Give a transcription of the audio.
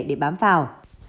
để bám vào